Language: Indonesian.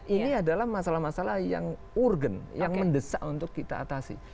ini adalah masalah masalah yang urgen yang mendesak untuk kita atasi